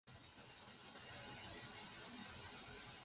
所有法院的设置和职能都是由法院组织法规定的。